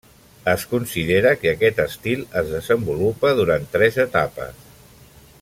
Es considera que aquest estil es desenvolupa durant tres etapes.